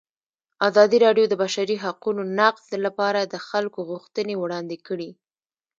ازادي راډیو د د بشري حقونو نقض لپاره د خلکو غوښتنې وړاندې کړي.